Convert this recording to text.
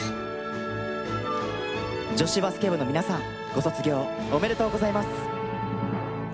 女子バスケ部の皆さんご卒業おめでとうございます。